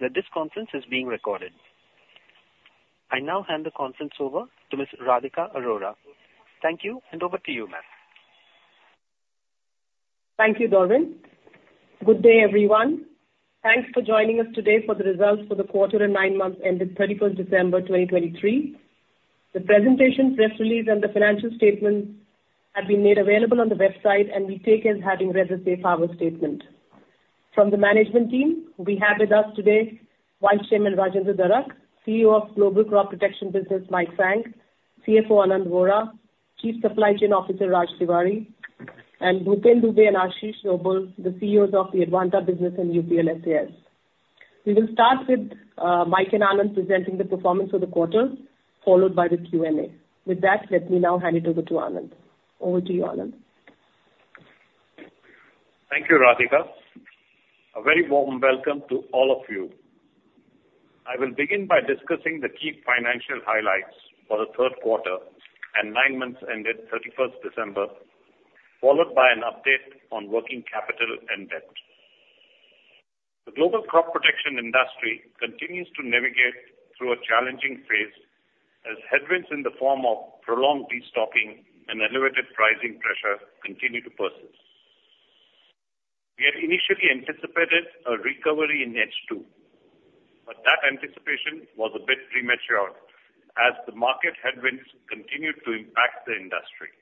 Please note that this conference is being recorded. I now hand the conference over to Ms. Radhika Arora. Thank you, and over to you, ma'am. Thank you, Darwin. Good day, everyone. Thanks for joining us today for the results for the quarter and nine months ended 31 December 2023. The presentation, press release, and the financial statements have been made available on the website, and we take as having read the safe harbor statement. From the management team, we have with us today Vice Chairman Rajendra Darak, CEO of Global Crop Protection Business, Mike Frank, CFO Anand Vora, Chief Supply Chain Officer, Raj Tiwari, and Bhupendra Dubey and Ashish Dobhal, the CEOs of the Advanta Business and UPL-SAS. We will start with Mike and Anand presenting the performance of the quarter, followed by the Q&A. With that, let me now hand it over to Anand. Over to you, Anand. Thank you, Radhika. A very warm welcome to all of you. I will begin by discussing the key financial highlights for the third quarter and nine months ended 31st December, followed by an update on working capital and debt. The global crop protection industry continues to navigate through a challenging phase as headwinds in the form of prolonged destocking and elevated pricing pressure continue to persist. We had initially anticipated a recovery in H2, but that anticipation was a bit premature as the market headwinds continued to impact the industry.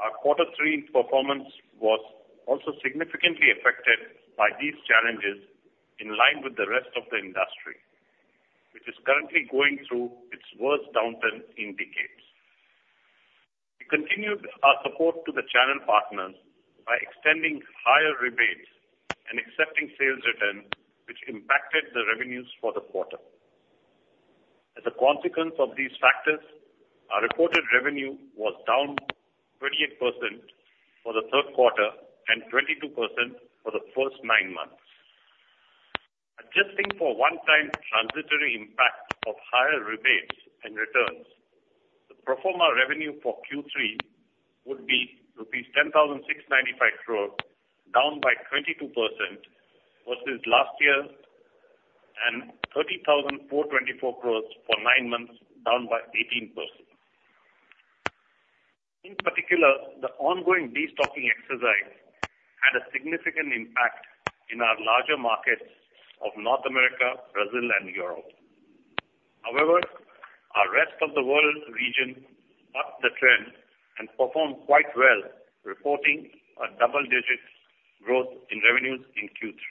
Our Quarter Three performance was also significantly affected by these challenges in line with the rest of the industry, which is currently going through its worst downturn in decades. We continued our support to the channel partners by extending higher rebates and accepting sales returns, which impacted the revenues for the quarter. As a consequence of these factors, our reported revenue was down 28% for the third quarter and 22% for the first 9 months. Adjusting for one-time transitory impact of higher rebates and returns, the pro forma revenue for Q3 would be rupees 10,695 crores, down by 22% versus last year, and 30,424 crores for 9 months, down by 18%. In particular, the ongoing destocking exercise had a significant impact in our larger markets of North America, Brazil, and Europe. However, our rest of the world region bucked the trend and performed quite well, reporting a double-digit growth in revenues in Q3.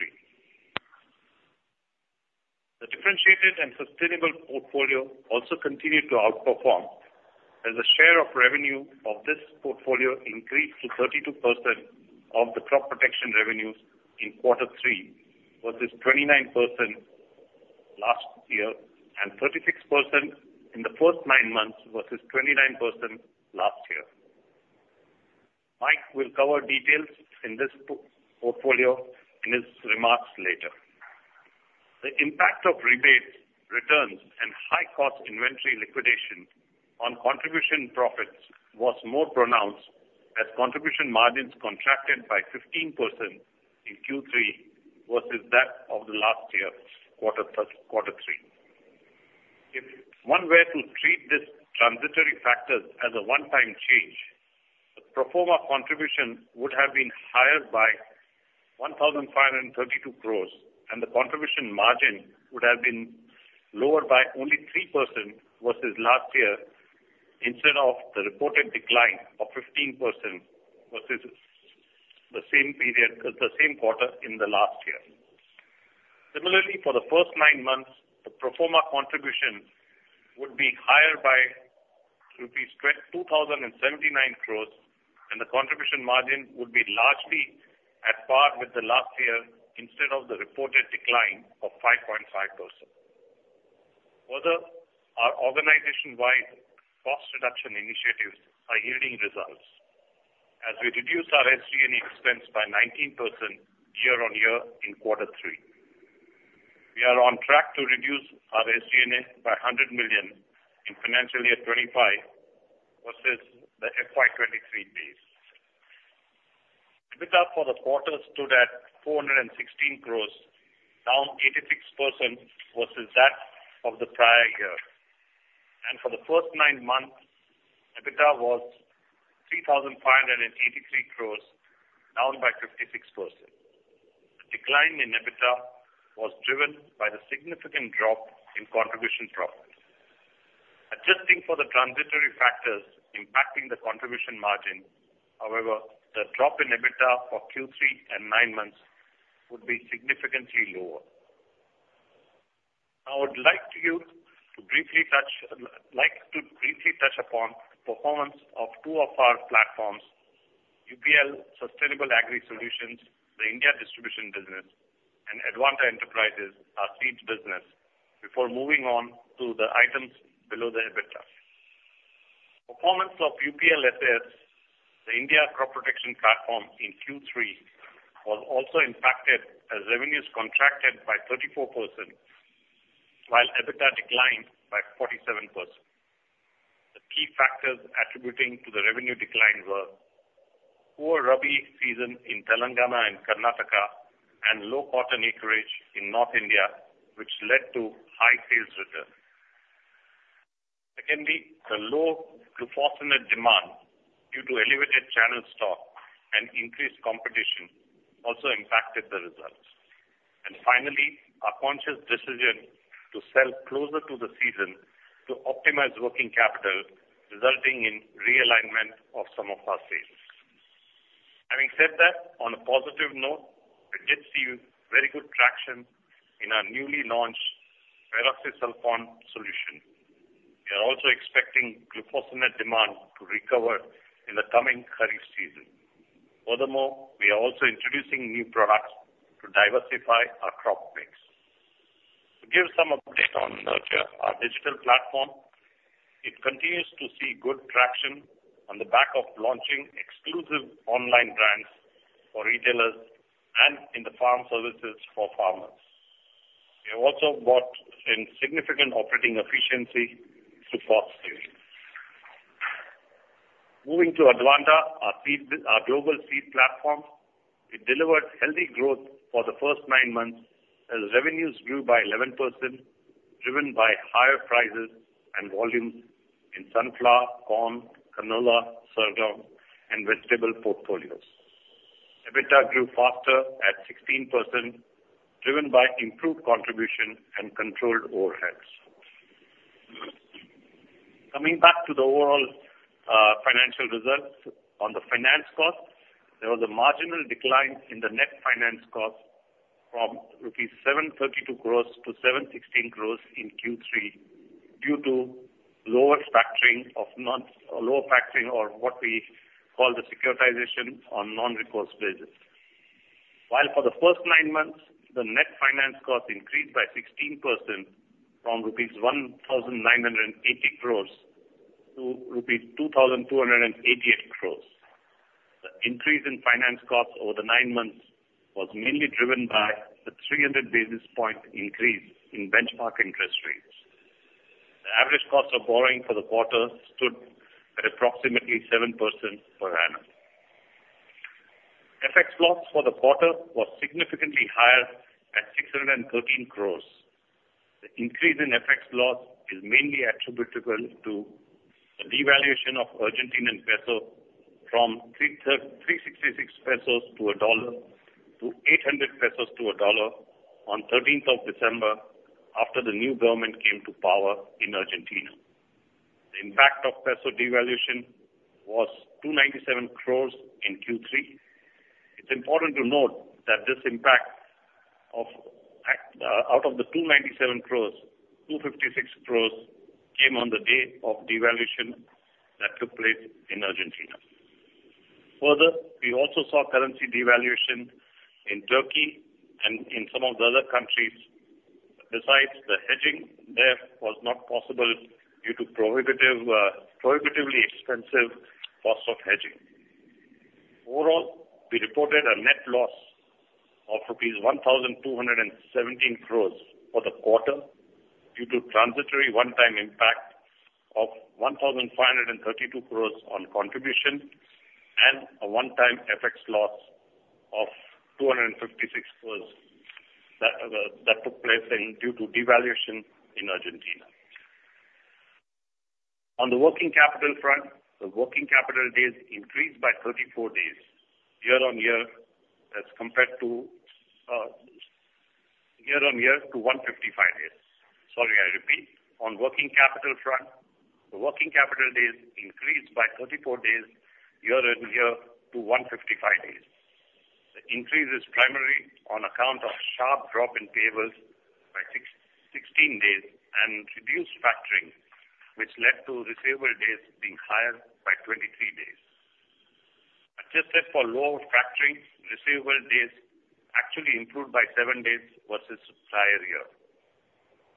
The differentiated and sustainable portfolio also continued to outperform, as the share of revenue of this portfolio increased to 32% of the crop protection revenues in Quarter Three versus 29% last year, and 36% in the first nine months versus 29% last year. Mike will cover details in this portfolio in his remarks later. The impact of rebates, returns, and high-cost inventory liquidation on contribution profits was more pronounced, as contribution margins contracted by 15% in Q3 versus that of the last year, Quarter Three. If one were to treat these transitory factors as a one-time change, the pro forma contribution would have been higher by 1,532 crores, and the contribution margin would have been lower by only 3% versus last year, instead of the reported decline of 15% versus the same period, the same quarter in the last year. Similarly, for the first 9 months, the pro forma contribution would be higher by rupees 2,079 crores, and the contribution margin would be largely at par with the last year instead of the reported decline of 5.5%. Further, our organization-wide cost reduction initiatives are yielding results as we reduce our SG&A expense by 19% year-on-year in Quarter Three. We are on track to reduce our SG&A by $100 million in financial year 2025 versus the FY 2023 base. EBITDA for the quarter stood at 416 crores, down 86% versus that of the prior year. For the first nine months, EBITDA was 3,583 crores, down by 56%. The decline in EBITDA was driven by the significant drop in contribution profits. Adjusting for the transitory factors impacting the contribution margin, however, the drop in EBITDA for Q3 and nine months would be significantly lower. I would like you to briefly touch upon performance of two of our platforms, UPL Sustainable Agri Solutions, the India distribution business, and Advanta Enterprises, our seeds business, before moving on to the items below the EBITDA. Performance of UPL-SAS, the India crop protection platform in Q3, was also impacted as revenues contracted by 34%, while EBITDA declined by 47%. Key factors attributing to the revenue decline were poor Rabi season in Telangana and Karnataka, and low cotton acreage in North India, which led to high sales return. Secondly, the low glufosinate demand due to elevated channel stock and increased competition also impacted the results. And finally, our conscious decision to sell closer to the season to optimize working capital, resulting in realignment of some of our sales. Having said that, on a positive note, we did see very good traction in our newly launched Pyrazosulfuron solution. We are also expecting glufosinate demand to recover in the coming Kharif season. Furthermore, we are also introducing new products to diversify our crop mix. To give some update on our digital platform, it continues to see good traction on the back of launching exclusive online brands for retailers and in the farm services for farmers. We have also brought in significant operating efficiency to FaaS Business. Moving to Advanta, our global seed platform, it delivered healthy growth for the first nine months as revenues grew by 11%, driven by higher prices and volumes in sunflower, corn, canola, sorghum, and vegetable portfolios. EBITDA grew faster at 16%, driven by improved contribution and controlled overheads. Coming back to the overall financial results on the finance cost, there was a marginal decline in the net finance cost from rupees 732 crores to 716 crores in Q3, due to lower factoring of non- or lower factoring or what we call the securitization on non-recourse basis. While for the first nine months, the net finance cost increased by 16% from rupees 1,980 crores to rupees 2,288 crores. The increase in finance costs over the nine months was mainly driven by the 300 basis point increase in benchmark interest rates. The average cost of borrowing for the quarter stood at approximately 7% per annum. FX loss for the quarter was significantly higher at 613 crores. The increase in FX loss is mainly attributable to the devaluation of the Argentine peso from 366 pesos to a dollar to 800 pesos to a dollar on the 13th of December, after the new government came to power in Argentina. The impact of peso devaluation was 297 crores in Q3. It's important to note that this impact of FX out of the 297 crores, 256 crores came on the day of devaluation that took place in Argentina. Further, we also saw currency devaluation in Turkey and in some of the other countries. Besides, the hedging there was not possible due to prohibitively expensive costs of hedging. Overall, we reported a net loss of INR 1,217 crores for the quarter due to transitory one-time impact of 1,532 crores on contribution and a one-time FX loss of 256 crores that that took place due to devaluation in Argentina. On the working capital front, the working capital days increased by 34 days year-over-year as compared to year-over-year to 155 days. Sorry, I repeat. On working capital front, the working capital days increased by 34 days year-on-year to 155 days. The increase is primarily on account of sharp drop in payables by 66 days and reduced factoring, which led to receivable days being higher by 23 days. Adjusted for lower factoring, receivable days actually improved by 7 days versus prior year.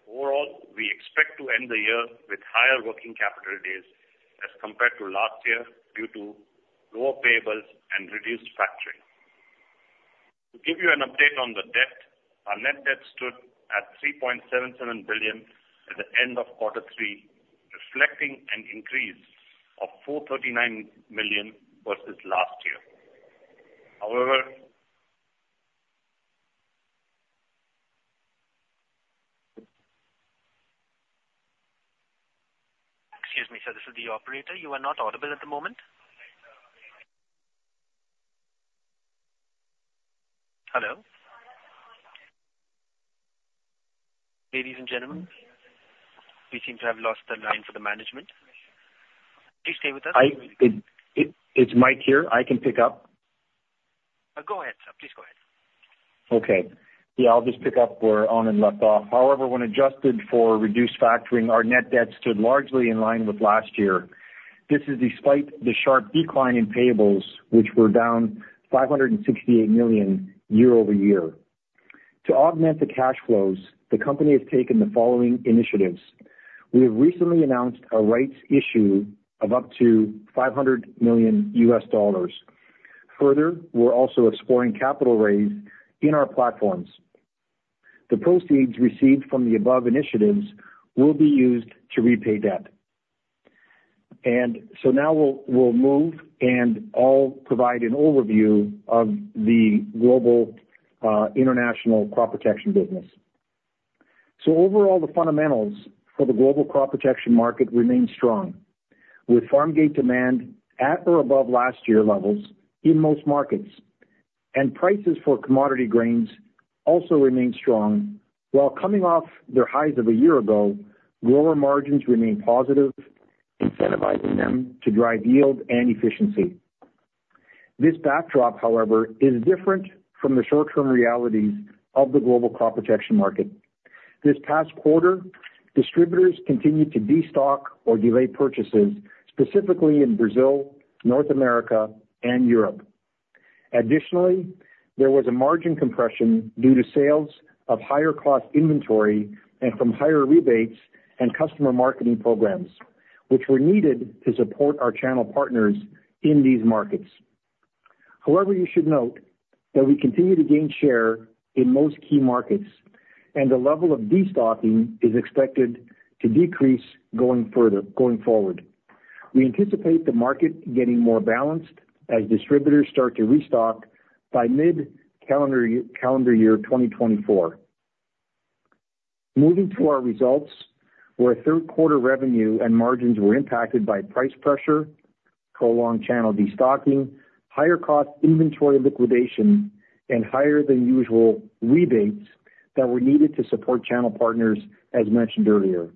Overall, we expect to end the year with higher working capital days as compared to last year, due to lower payables and reduced factoring. To give you an update on the debt, our net debt stood at $3.77 billion at the end of quarter three, reflecting an increase of $439 million versus last year. However- Excuse me, sir. This is the operator. You are not audible at the moment. Hello? Ladies and gentlemen, we seem to have lost the line for the management. Please stay with us. It's Mike here. I can pick up. Go ahead, sir. Please go ahead. Okay. Yeah, I'll just pick up where Anand left off. However, when adjusted for reduced factoring, our net debt stood largely in line with last year. This is despite the sharp decline in payables, which were down $568 million year-over-year. To augment the cash flows, the company has taken the following initiatives: We have recently announced a rights issue of up to $500 million. Further, we're also exploring capital raise in our platforms.... The proceeds received from the above initiatives will be used to repay debt. And so now we'll, we'll move, and I'll provide an overview of the global, international crop protection business. So overall, the fundamentals for the global crop protection market remain strong, with farm gate demand at or above last year levels in most markets. And prices for commodity grains also remain strong. While coming off their highs of a year ago, lower margins remain positive, incentivizing them to drive yield and efficiency. This backdrop, however, is different from the short-term realities of the global crop protection market. This past quarter, distributors continued to destock or delay purchases, specifically in Brazil, North America, and Europe. Additionally, there was a margin compression due to sales of higher-cost inventory and from higher rebates and customer marketing programs, which were needed to support our channel partners in these markets. However, you should note that we continue to gain share in most key markets, and the level of destocking is expected to decrease going further, going forward. We anticipate the market getting more balanced as distributors start to restock by mid-calendar year, calendar year 2024. Moving to our results, where third quarter revenue and margins were impacted by price pressure, prolonged channel destocking, higher-cost inventory liquidation, and higher-than-usual rebates that were needed to support channel partners, as mentioned earlier.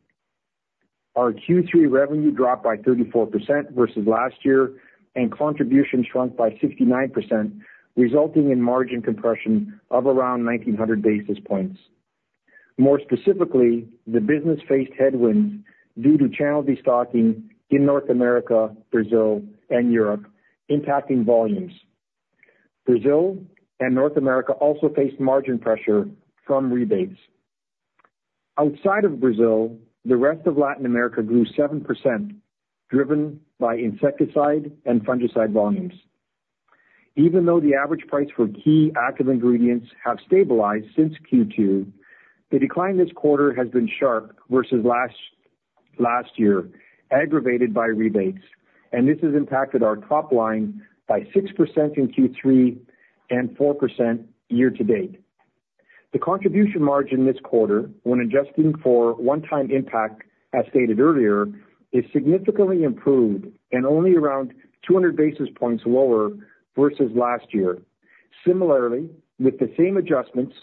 Our Q3 revenue dropped by 34% versus last year, and contribution shrunk by 69%, resulting in margin compression of around 1,900 basis points. More specifically, the business faced headwinds due to channel destocking in North America, Brazil, and Europe, impacting volumes. Brazil and North America also faced margin pressure from rebates. Outside of Brazil, the rest of Latin America grew 7%, driven by insecticide and fungicide volumes. Even though the average price for key active ingredients have stabilized since Q2, the decline this quarter has been sharp versus last, last year, aggravated by rebates, and this has impacted our top line by 6% in Q3 and 4% year-to-date. The contribution margin this quarter, when adjusting for one-time impact, as stated earlier, is significantly improved and only around 200 basis points lower versus last year. Similarly, with the same adjustments,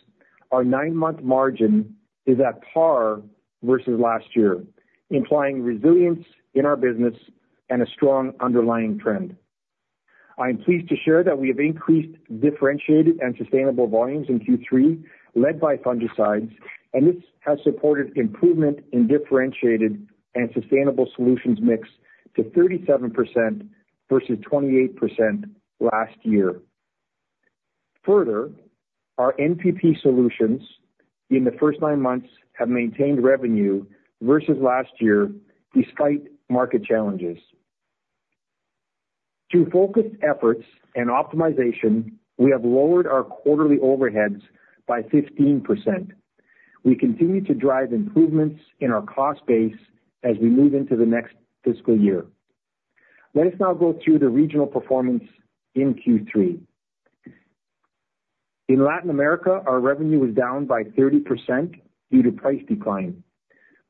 our 9-month margin is at par versus last year, implying resilience in our business and a strong underlying trend. I am pleased to share that we have increased differentiated and sustainable volumes in Q3, led by fungicides, and this has supported improvement in differentiated and sustainable solutions mix to 37% versus 28% last year. Further, our NPP solutions in the first 9 months have maintained revenue versus last year, despite market challenges. Through focused efforts and optimization, we have lowered our quarterly overheads by 15%. We continue to drive improvements in our cost base as we move into the next fiscal year. Let us now go through the regional performance in Q3. In Latin America, our revenue was down by 30% due to price decline.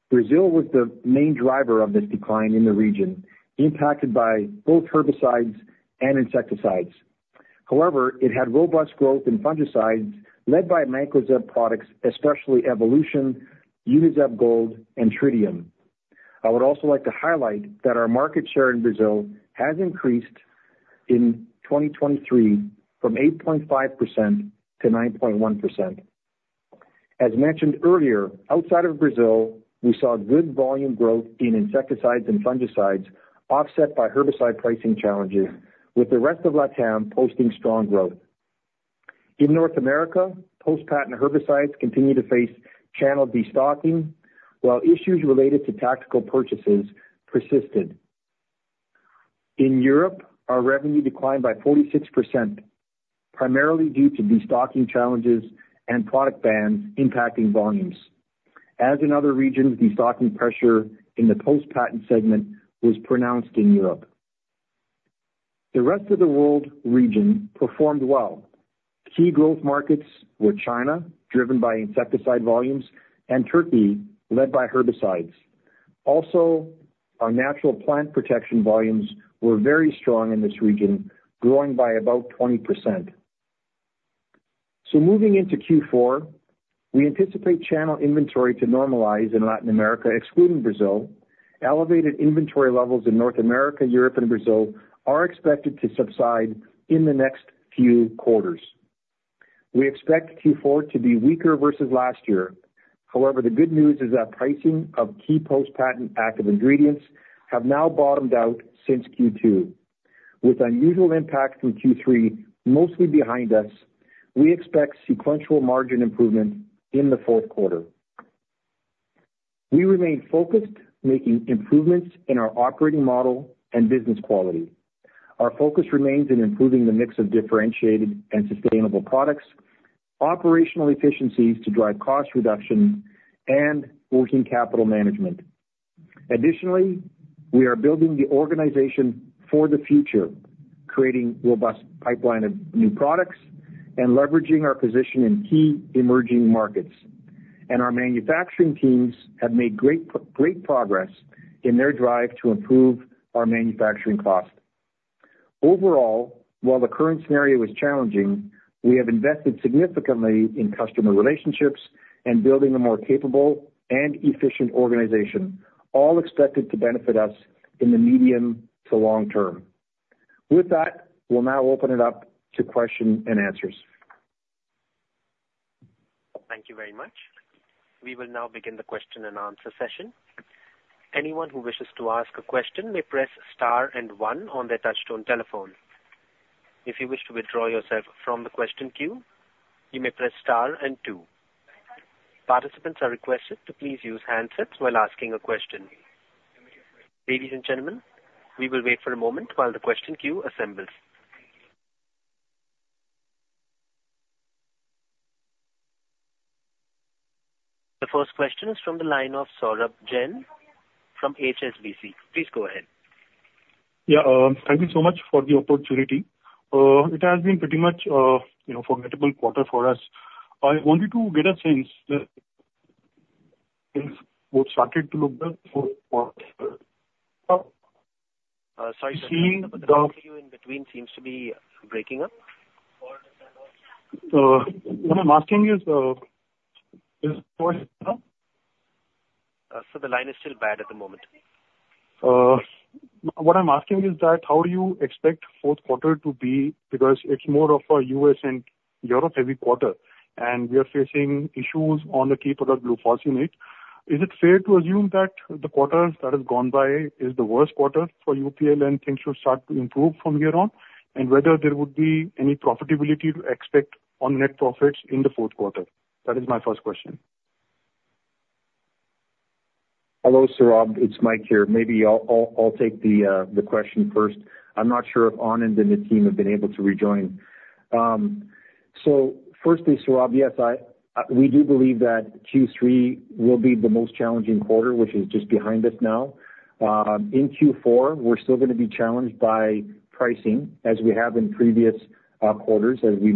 Brazil was the main driver of this decline in the region, impacted by both herbicides and insecticides. However, it had robust growth in fungicides led by Mancozeb products, especially Evolution, Unizeb Gold, and Tridium. I would also like to highlight that our market share in Brazil has increased in 2023 from 8.5% to 9.1%. As mentioned earlier, outside of Brazil, we saw good volume growth in insecticides and fungicides, offset by herbicide pricing challenges, with the rest of LatAm posting strong growth. In North America, post-patent herbicides continue to face channel destocking, while issues related to tactical purchases persisted. In Europe, our revenue declined by 46% primarily due to destocking challenges and product bans impacting volumes. As in other regions, destocking pressure in the post-patent segment was pronounced in Europe. The rest of the world region performed well. Key growth markets were China, driven by insecticide volumes, and Turkey, led by herbicides. Also, our Natural Plant Protection volumes were very strong in this region, growing by about 20%. Moving into Q4, we anticipate channel inventory to normalize in Latin America, excluding Brazil. Elevated inventory levels in North America, Europe, and Brazil are expected to subside in the next few quarters. We expect Q4 to be weaker versus last year. However, the good news is that pricing of key post-patent active ingredients have now bottomed out since Q2. With unusual impact through Q3 mostly behind us, we expect sequential margin improvement in the fourth quarter... We remain focused, making improvements in our operating model and business quality. Our focus remains in improving the mix of differentiated and sustainable products, operational efficiencies to drive cost reduction, and working capital management. Additionally, we are building the organization for the future, creating robust pipeline of new products and leveraging our position in key emerging markets. Our manufacturing teams have made great progress in their drive to improve our manufacturing cost. Overall, while the current scenario is challenging, we have invested significantly in customer relationships and building a more capable and efficient organization, all expected to benefit us in the medium to long term. With that, we'll now open it up to question and answers. Thank you very much. We will now begin the question and answer session. Anyone who wishes to ask a question may press star and one on their touchtone telephone. If you wish to withdraw yourself from the question queue, you may press star and two. Participants are requested to please use handsets while asking a question. Ladies and gentlemen, we will wait for a moment while the question queue assembles. The first question is from the line of Saurabh Jain from HSBC. Please go ahead. Yeah, thank you so much for the opportunity. It has been pretty much, you know, forgettable quarter for us. I wanted to get a sense that things would started to look good for, seeing- Sorry, Saurabh, but the line for you in between seems to be breaking up. What I'm asking is... Sir, the line is still bad at the moment. What I'm asking is that how do you expect fourth quarter to be? Because it's more of a U.S. and Europe heavy quarter, and we are facing issues on the key product glufosinate. Is it fair to assume that the quarter that has gone by is the worst quarter for UPL, and things should start to improve from here on? And whether there would be any profitability to expect on net profits in the fourth quarter? That is my first question. Hello, Saurabh, it's Mike here. Maybe I'll take the question first. I'm not sure if Anand and the team have been able to rejoin. So firstly, Saurabh, yes, I, we do believe that Q3 will be the most challenging quarter, which is just behind us now. In Q4, we're still gonna be challenged by pricing, as we have in previous quarters, as we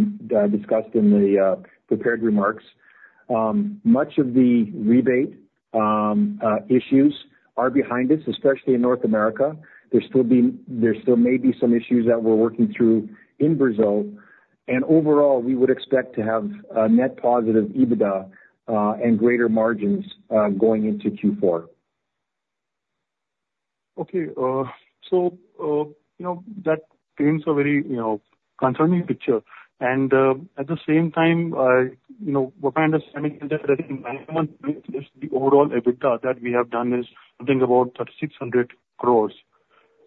discussed in the prepared remarks. Much of the rebate issues are behind us, especially in North America. There still may be some issues that we're working through in Brazil, and overall, we would expect to have a net positive EBITDA and greater margins going into Q4. Okay, so, you know, that paints a very, you know, concerning picture. And, at the same time, you know, we're kind of understanding that the overall EBITDA that we have done is something about 3,600 crores,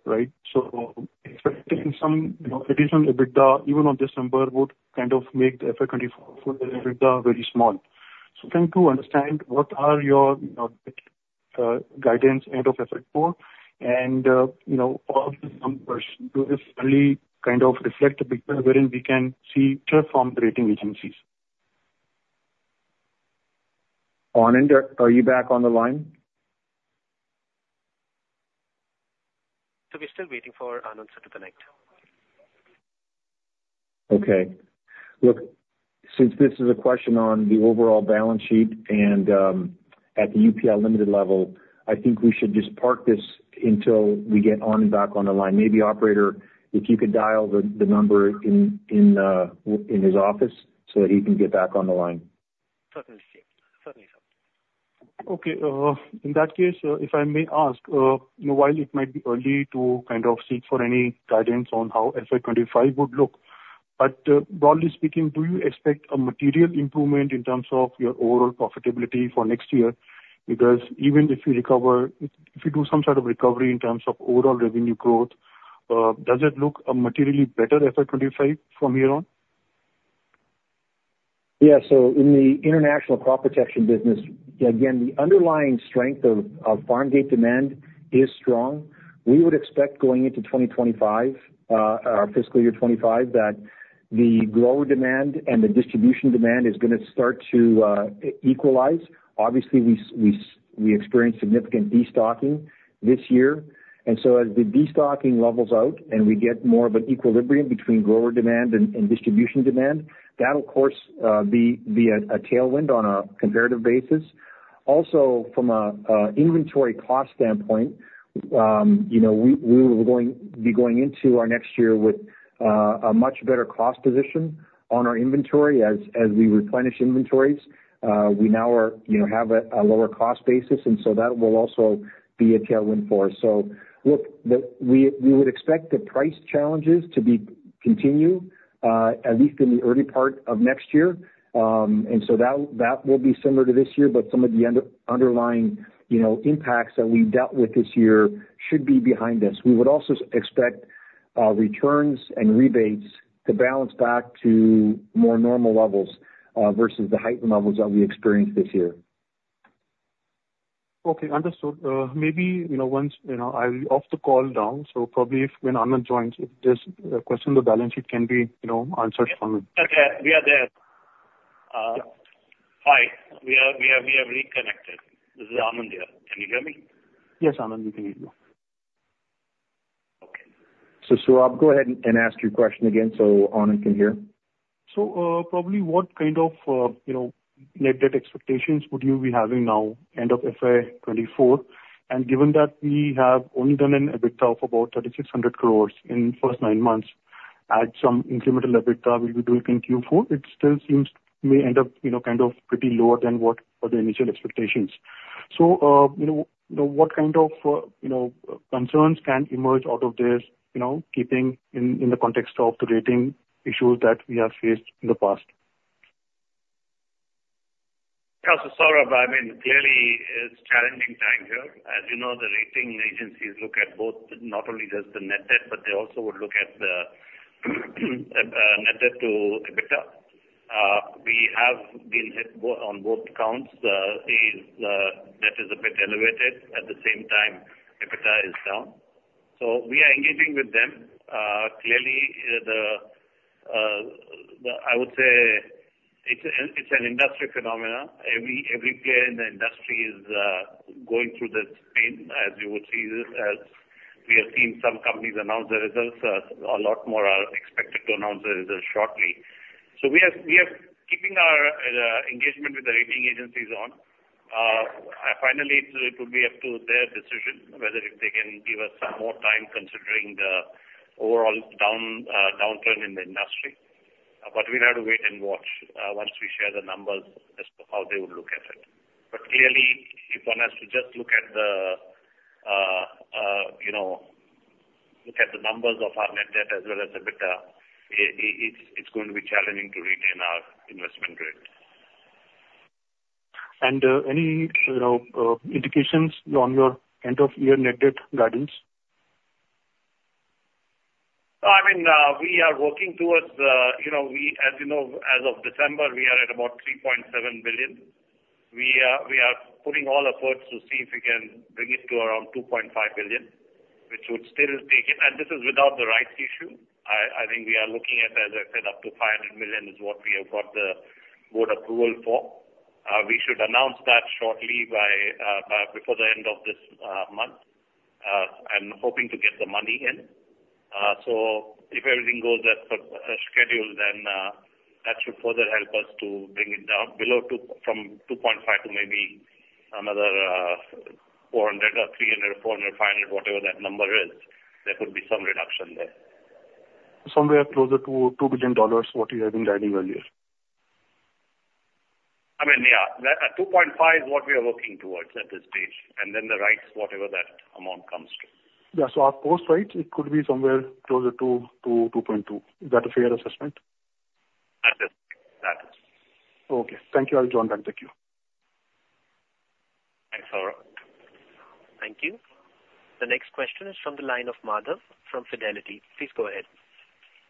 right? So expecting some, you know, additional EBITDA, even on December, would kind of make the effect on the EBITDA very small. So trying to understand, what are your, guidance end of FY 4, and, you know, all some person do this early, kind of reflect the picture wherein we can see clear from the rating agencies. Anand, are you back on the line? We're still waiting for Anand sir to connect. Okay. Look, since this is a question on the overall balance sheet and at the UPL Limited level, I think we should just park this until we get Anand back on the line. Maybe, operator, if you could dial the number in his office, so that he can get back on the line. Certainly, certainly, sir. Okay, in that case, if I may ask, while it might be early to kind of seek for any guidance on how FY 25 would look, but, broadly speaking, do you expect a material improvement in terms of your overall profitability for next year? Because even if you recover, if you do some sort of recovery in terms of overall revenue growth, does it look a materially better FY 25 from here on? Yeah. So in the international crop protection business, again, the underlying strength of farm gate demand is strong. We would expect going into 2025, our fiscal year 2025, that the grower demand and the distribution demand is gonna start to equalize. Obviously, we experienced significant destocking this year. And so as the destocking levels out and we get more of an equilibrium between grower demand and distribution demand, that of course will be a tailwind on a comparative basis. Also, from an inventory cost standpoint, you know, we will be going into our next year with a much better cost position on our inventory as we replenish inventories. We now have a lower cost basis, and so that will also be a tailwind for us. So look, we would expect the price challenges to continue at least in the early part of next year. And so that will be similar to this year, but some of the underlying, you know, impacts that we dealt with this year should be behind us. We would also expect-... returns and rebates to balance back to more normal levels, versus the heightened levels that we experienced this year. Okay, understood. Maybe, you know, once, you know, I'll off the call down, so probably if, when Anand joins, if this question to balance, it can be, you know, answered from him. Okay, we are there. Hi. We are reconnected. This is Anand here. Can you hear me? Yes, Anand, we can hear you. Okay. Saurabh, go ahead and ask your question again so Anand can hear. So, probably what kind of, you know, net debt expectations would you be having now, end of FY 2024? And given that we have only done an EBITDA of about 3,600 crore in first nine months, add some incremental EBITDA we'll be doing in Q4, it still seems may end up, you know, kind of pretty lower than what were the initial expectations. So, you know, what kind of, you know, concerns can emerge out of this, you know, keeping in, in the context of the rating issues that we have faced in the past? Yeah. So Saurabh, I mean, clearly, it's a challenging time here. As you know, the rating agencies look at both, not only just the net debt, but they also would look at the net debt to EBITDA. We have been hit on both counts. Debt is a bit elevated, at the same time, EBITDA is down. So we are engaging with them. Clearly, the, I would say it's an, it's an industry phenomenon. Every, every player in the industry is going through this same, as you would see, as we have seen some companies announce their results. A lot more are expected to announce the results shortly. So we are, we are keeping our engagement with the rating agencies on. Finally, it will be up to their decision whether if they can give us some more time considering the overall down, downturn in the industry. But we'll have to wait and watch, once we share the numbers as to how they would look at it. But clearly, if one has to just look at the, you know, look at the numbers of our net debt as well as EBITDA, it, it's going to be challenging to retain our investment rate. Any, you know, indications on your end-of-year net debt guidance? I mean, we are working towards, you know, we, as you know, as of December, we are at about $3.7 billion. We are putting all efforts to see if we can bring it to around $2.5 billion, which would still take it, and this is without the rights issue. I think we are looking at, as I said, up to $500 million is what we have got the board approval for. We should announce that shortly by, before the end of this month. I'm hoping to get the money in. So if everything goes as scheduled, then, that should further help us to bring it down below $2 billion, from $2.5 billion to maybe another $400 million or $300 million, $400 million, $500 million, whatever that number is. There could be some reduction there. Somewhere closer to $2 billion, what you have been guiding earlier? I mean, yeah. That, 2.5 is what we are working towards at this stage, and then the rights, whatever that amount comes to. Yeah, so our post-patent, it could be somewhere closer to 2.2. Is that a fair assessment? I think that is. Okay. Thank you. I'll join back the queue. Thanks, Saurabh. Thank you. The next question is from the line of Madhav from Fidelity. Please go ahead.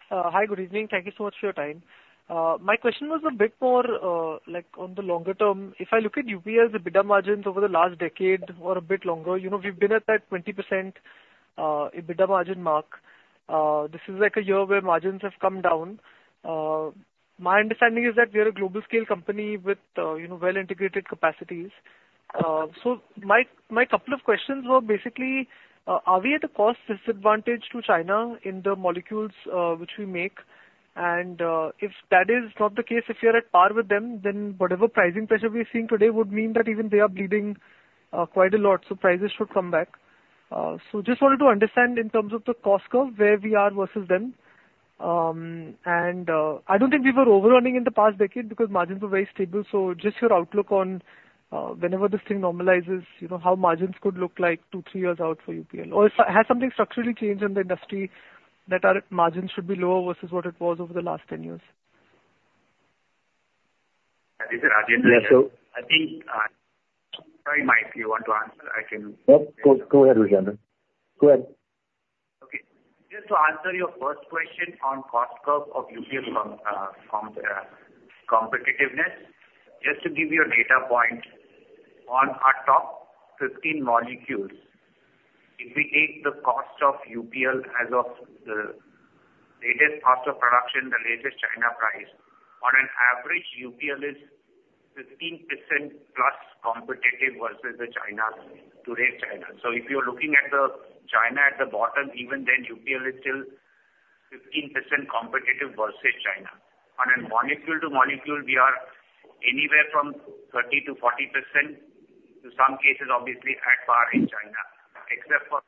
Hi, good evening. Thank you so much for your time. My question was a bit more, like, on the longer term. If I look at UPL's EBITDA margins over the last decade or a bit longer, you know, we've been at that 20% EBITDA margin mark. This is like a year where margins have come down. My understanding is that we are a global scale company with, you know, well-integrated capacities. So my couple of questions were basically, are we at a cost disadvantage to China in the molecules which we make? And, if that is not the case, if we are at par with them, then whatever pricing pressure we're seeing today would mean that even they are bleeding quite a lot, so prices should come back. So just wanted to understand in terms of the cost curve, where we are versus them. I don't think we were overrunning in the past decade because margins were very stable. So just your outlook on whenever this thing normalizes, you know, how margins could look like 2, 3 years out for UPL. Or if has something structurally changed in the industry that our margins should be lower versus what it was over the last 10 years? This is Rajendra here. Yes, so- I think, sorry, Mike, if you want to answer, I can- No, go, go ahead, Rajendra. Go ahead. Okay. Just to answer your first question on cost curve of UPL's competitiveness. Just to give you a data point, on our top 15 molecules, if we take the cost of UPL as of the latest cost of production, the latest China price, on average, UPL is 15% plus competitive versus China, today's China. So if you're looking at China at the bottom, even then UPL is still 15% competitive versus China. On a molecule-to-molecule, we are anywhere from 30%-40%, in some cases, obviously, at par in China, except for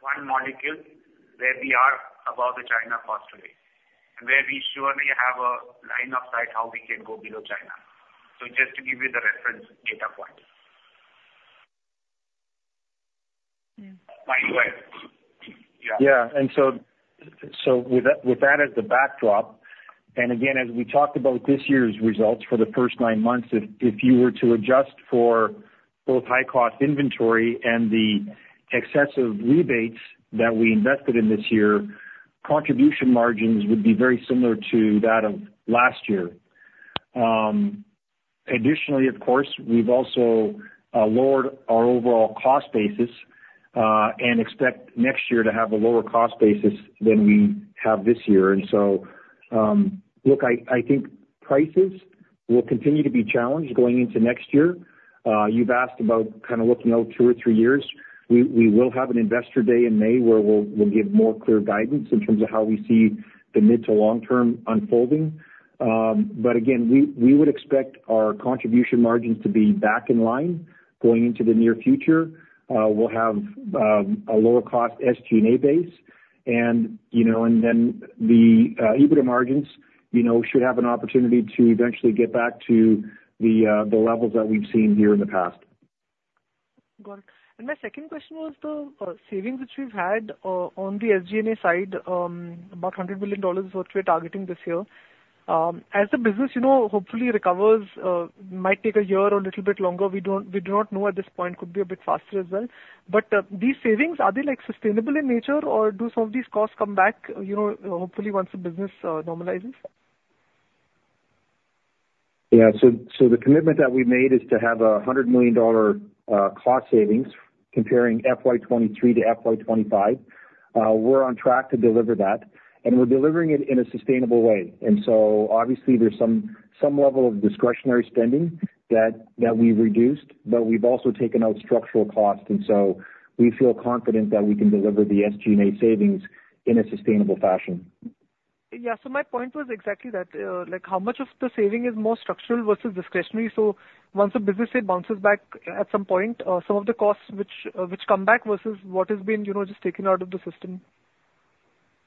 one molecule where we are above the China cost today, and where we surely have a line of sight how we can go below China. So just to give you the reference data point. Mm. By the way... Yeah. Yeah, and so with that as the backdrop- Again, as we talked about this year's results for the first nine months, if you were to adjust for both high-cost inventory and the excessive rebates that we invested in this year, contribution margins would be very similar to that of last year. Additionally, of course, we've also lowered our overall cost basis, and expect next year to have a lower cost basis than we have this year. Look, I think prices will continue to be challenged going into next year. You've asked about kind of looking out two or three years. We will have an investor day in May, where we'll give more clear guidance in terms of how we see the mid to long term unfolding. But again, we would expect our contribution margins to be back in line going into the near future. We'll have a lower cost SG&A base and, you know, and then the EBITDA margins, you know, should have an opportunity to eventually get back to the levels that we've seen here in the past. Got it. My second question was the savings which we've had on the SG&A side, about $100 million is what we're targeting this year. As the business, you know, hopefully recovers, might take a year or a little bit longer, we don't, we do not know at this point, could be a bit faster as well. But these savings, are they, like, sustainable in nature, or do some of these costs come back, you know, hopefully once the business normalizes? Yeah. So, so the commitment that we made is to have $100 million cost savings comparing FY 2023 to FY 2025. We're on track to deliver that, and we're delivering it in a sustainable way. And so obviously there's some, some level of discretionary spending that, that we reduced, but we've also taken out structural cost, and so we feel confident that we can deliver the SG&A savings in a sustainable fashion. Yeah, so my point was exactly that. Like, how much of the saving is more structural versus discretionary? So once the business, say, bounces back at some point, some of the costs which come back versus what has been, you know, just taken out of the system.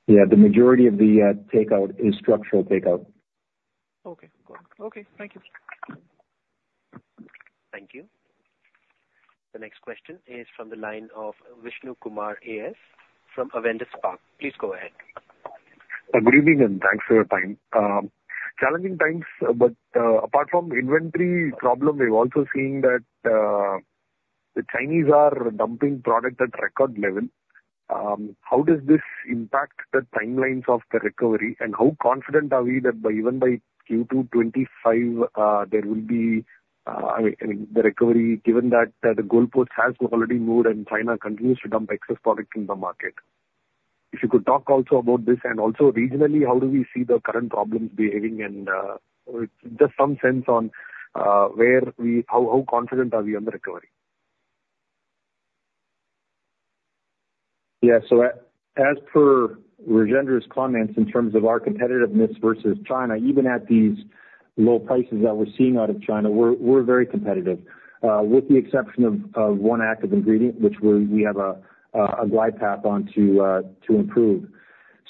Yeah, the majority of the takeout is structural takeout. Okay, got it. Okay, thank you. Thank you. The next question is from the line of Vishnu Kumar AS from Avendus Spark. Please go ahead. Good evening, and thanks for your time. Challenging times, but apart from inventory problem, we're also seeing that the Chinese are dumping product at record level. How does this impact the timelines of the recovery, and how confident are we that by, even by Q2 2025, there will be, I mean, the recovery, given that the goalpost has already moved and China continues to dump excess product in the market? If you could talk also about this and also regionally, how do we see the current problems behaving and just some sense on where we—how confident are we on the recovery? Yeah. So as per Rajendra's comments, in terms of our competitiveness versus China, even at these low prices that we're seeing out of China, we're very competitive, with the exception of one active ingredient, which we have a glide path on to improve.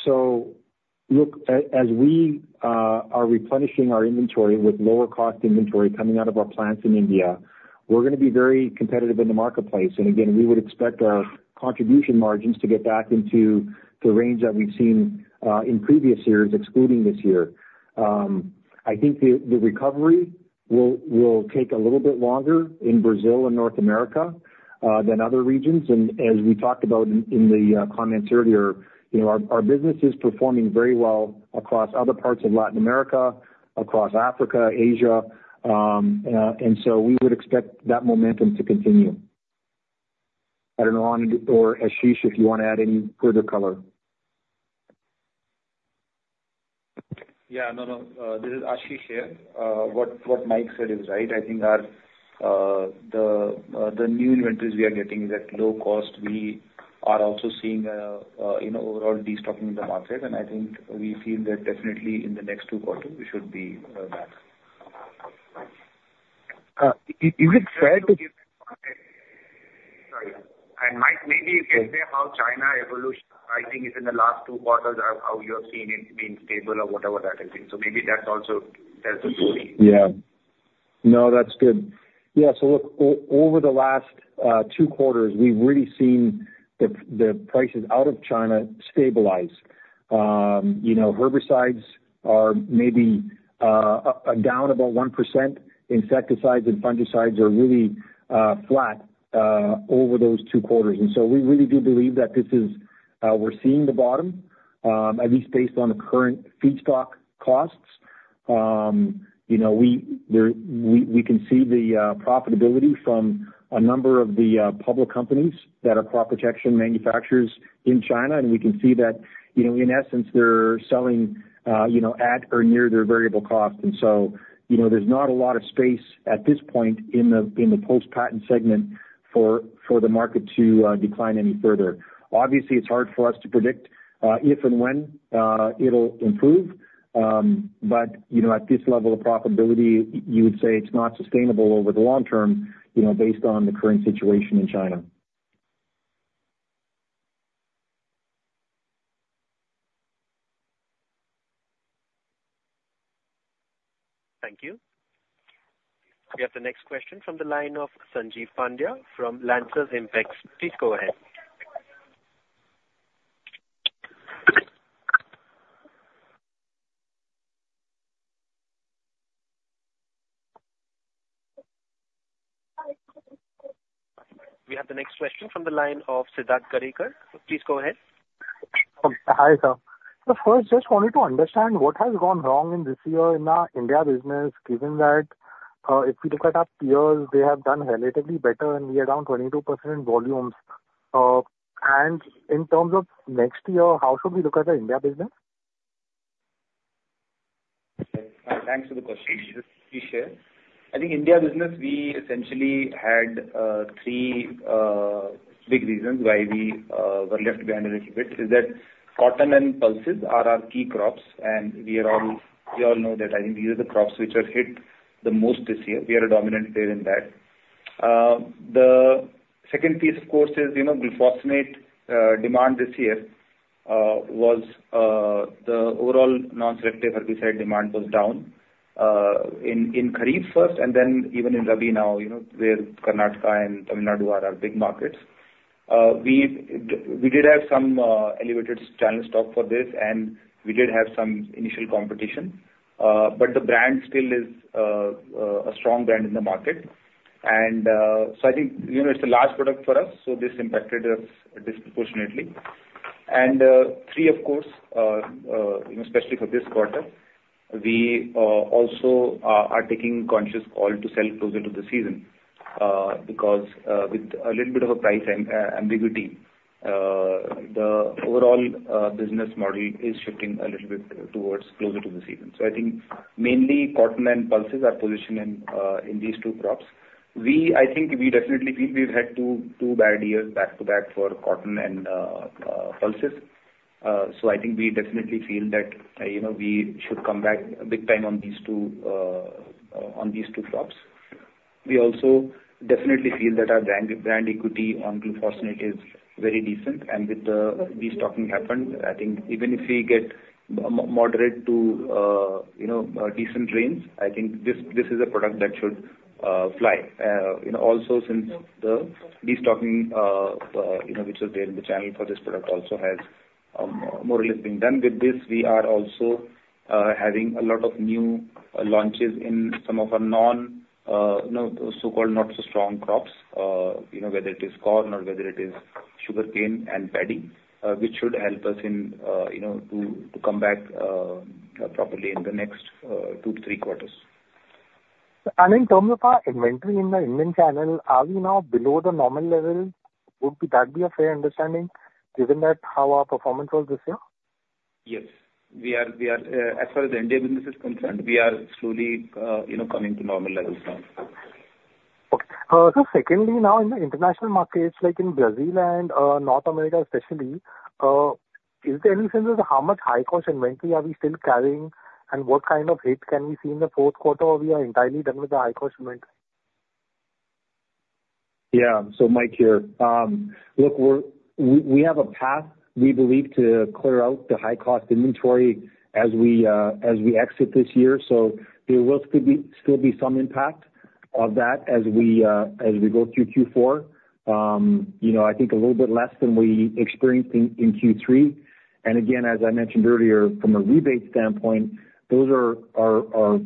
So look, as we are replenishing our inventory with lower-cost inventory coming out of our plants in India, we're gonna be very competitive in the marketplace. And again, we would expect our contribution margins to get back into the range that we've seen in previous years, excluding this year. I think the recovery will take a little bit longer in Brazil and North America than other regions. And as we talked about in the comments earlier, you know, our business is performing very well across other parts of Latin America, across Africa, Asia, and so we would expect that momentum to continue. I don't know, Raj or Ashish, if you want to add any further color? Yeah, no, no. This is Ashish here. What Mike said is right. I think our new inventories we are getting is at low cost. We are also seeing you know, overall destocking in the market, and I think we feel that definitely in the next two quarters, we should be back. Is it fair to- Sorry, and Mike, maybe you can say how China evolution, I think, is in the last two quarters, how, how you have seen it being stable or whatever that has been. So maybe that also tells the story. Yeah. No, that's good. Yeah, so look, over the last two quarters, we've really seen the prices out of China stabilize. You know, herbicides are maybe down about 1%. Insecticides and fungicides are really flat over those two quarters. And so we really do believe that this is, we're seeing the bottom, at least based on the current feedstock costs. You know, we can see the profitability from a number of the public companies that are crop protection manufacturers in China, and we can see that, you know, in essence, they're selling at or near their variable cost. And so, you know, there's not a lot of space at this point in the post-patent segment for the market to decline any further. Obviously, it's hard for us to predict if and when it'll improve. But you know, at this level of profitability, you would say it's not sustainable over the long term, you know, based on the current situation in China. Thank you. We have the next question from the line of Sanjeev Pandya from Lancers Impex. Please go ahead... We have the next question from the line of Siddharth Karekar. Please go ahead. Hi, sir. So first, just wanted to understand what has gone wrong in this year in our India business, given that, if we look at our peers, they have done relatively better in year, around 22% volumes. And in terms of next year, how should we look at the India business? Thanks for the question, Sanjeev. I think India business, we essentially had three big reasons why we were left behind a little bit, is that cotton and pulses are our key crops, and we all know that I think these are the crops which are hit the most this year. We are a dominant player in that. The second piece, of course, is, you know, glufosinate demand this year was the overall non-selective herbicide demand was down in Kharif first and then even in Rabi now, you know, where Karnataka and Tamil Nadu are our big markets. We did have some elevated channel stock for this, and we did have some initial competition. But the brand still is a strong brand in the market. And, so I think, you know, it's a large product for us, so this impacted us disproportionately. And, three, of course, you know, especially for this quarter, we also are taking conscious call to sell closer to the season, because, with a little bit of a price ambiguity, the overall business model is shifting a little bit towards closer to the season. So I think mainly cotton and pulses are positioned in these two crops. We, I think we definitely feel we've had two bad years back to back for cotton and pulses. So I think we definitely feel that, you know, we should come back big time on these two crops. We also definitely feel that our brand, brand equity on glufosinate is very decent, and with the destocking happened, I think even if we get moderate to, you know, decent rains, I think this is a product that should fly. You know, also since the destocking, you know, which was there in the channel for this product also has more or less been done. With this, we are also having a lot of new launches in some of our non, you know, so-called not so strong crops, you know, whether it is corn or whether it is sugarcane and paddy, which should help us in, you know, to come back properly in the next two to three quarters. In terms of our inventory in the Indian channel, are we now below the normal level? Would that be a fair understanding, given that how our performance was this year? Yes. We are, we are, as far as the India business is concerned, we are slowly, you know, coming to normal levels now. Okay. So secondly, now, in the international markets, like in Brazil and North America especially, is there any sense of how much high-cost inventory are we still carrying? And what kind of hit can we see in the fourth quarter, or we are entirely done with the high-cost inventory? Yeah. So Mike here. Look, we're, we have a path, we believe, to clear out the high-cost inventory as we exit this year, so there will still be some impact of that as we go through Q4. You know, I think a little bit less than we experienced in Q3. And again, as I mentioned earlier, from a rebate standpoint, those are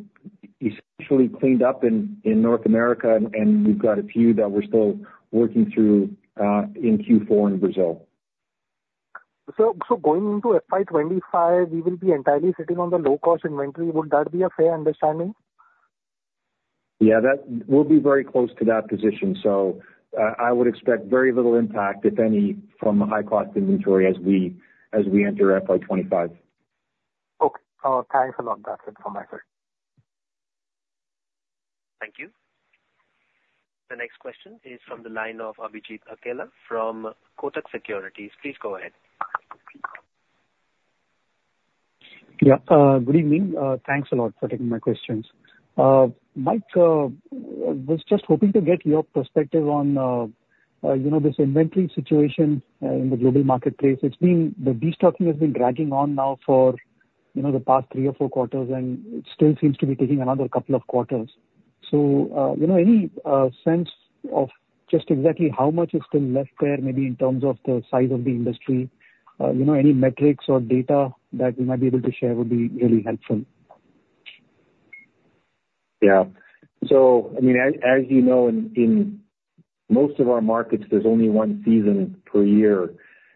essentially cleaned up in North America, and we've got a few that we're still working through in Q4 in Brazil. Going into FY 25, we will be entirely sitting on the low-cost inventory. Would that be a fair understanding? Yeah, that... We'll be very close to that position. So, I would expect very little impact, if any, from the high-cost inventory as we enter FY 2025. Okay. Thanks a lot, that's it from my side. Thank you. The next question is from the line of Abhijit Akella from Kotak Securities. Please go ahead. Yeah, good evening. Thanks a lot for taking my questions. Mike, I was just hoping to get your perspective on, you know, this inventory situation in the global marketplace. It's been, the destocking has been dragging on now for, you know, the past three or four quarters, and it still seems to be taking another couple of quarters. So, you know, any sense of just exactly how much is still left there, maybe in terms of the size of the industry? You know, any metrics or data that you might be able to share would be really helpful. Yeah. So I mean, as you know, in most of our markets, there's only one season per year.